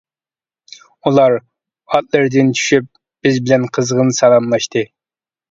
ئۇلار ئاتلىرىدىن چۈشۈپ بىز بىلەن قىزغىن سالاملاشتى.